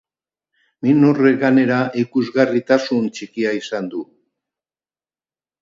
Min horrek, gainera, ikusgarritasun txikia izan du.